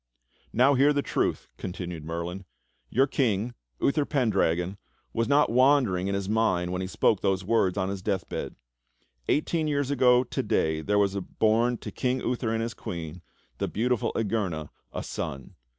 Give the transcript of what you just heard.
"Now hear the truth," continued Merlin. "Your King, Uther Pendragon, was not wandering in his mind when he spoke those words on his deathbed. Eighteen years ago today there was born to King Uther and his Queen the beautiful Igerna a son.